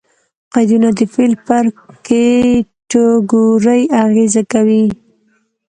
قیدونه د فعل پر کېټګوري اغېز کوي.